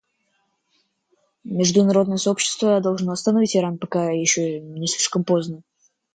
Международное сообщество должно остановить Иран, пока еще не слишком поздно.